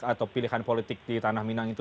atau pilihan politik di tanah minang itu